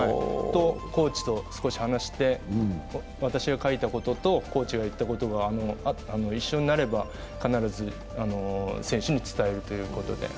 コーチと少し話して、私が書いたこととコーチが言ったことが一緒になれば必ず選手に伝えるということで。